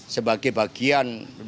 sebagai bagian berbahagia